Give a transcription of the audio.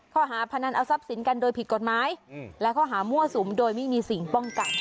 พนันเอาทรัพย์สินกันโดยผิดกฎหมายและข้อหามั่วสุมโดยไม่มีสิ่งป้องกัน